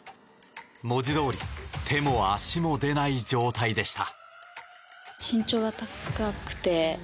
文字どおり手も足も出ない状態でした。